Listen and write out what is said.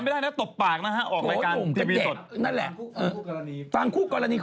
เมื่อเรื่องดายจริงเขาเข้ามาเบียดผมในเฉลียว